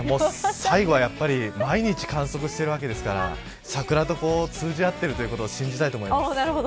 最後は、毎日観測しているわけですから桜と通じ合っていることを信じたいと思います。